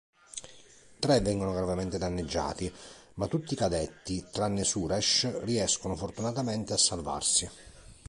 Tre vengono gravemente danneggiati, ma tutti i cadetti, tranne Suresh, riescono fortunatamente a salvarsi.